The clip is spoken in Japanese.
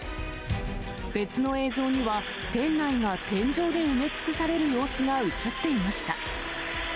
別の映像には、店内が天井で埋め尽くされる様子が写っていました。